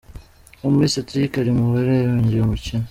Amiss Cedric ari mu barebye uyu mukino